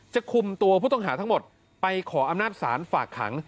คุมตัวผู้ต้องหาทั้งหมดไปขออำนาจศาลฝากขัง